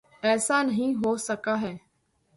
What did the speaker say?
ایسا نہیں ہو سکا ہے۔